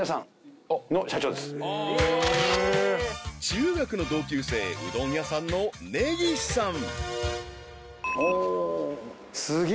［中学の同級生うどん屋さんの根岸さん］